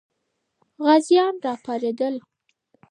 غازیان راپارېدل.